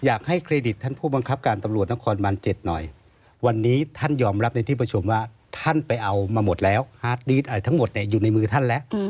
เครดิตท่านผู้บังคับการตำรวจนครบาน๗หน่อยวันนี้ท่านยอมรับในที่ประชุมว่าท่านไปเอามาหมดแล้วฮาร์ดดีดอะไรทั้งหมดเนี่ยอยู่ในมือท่านแล้ว